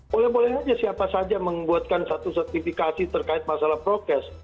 boleh boleh saja siapa saja membuatkan satu sertifikasi terkait masalah prokes